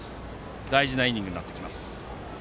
大事なイニングになってきます。